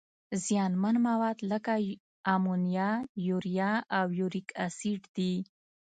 زیانمن مواد لکه امونیا، یوریا او یوریک اسید دي.